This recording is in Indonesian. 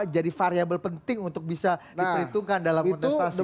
jadi variable penting untuk bisa diperhitungkan dalam protestasi